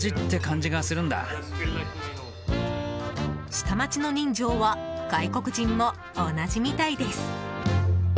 下町の人情は外国人も同じみたいです。